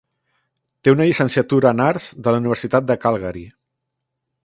Té una llicenciatura en Arts de la Universitat de Calgary.